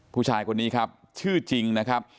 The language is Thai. ผู้ชายคนนี้ครับชื่อจริงนะครับ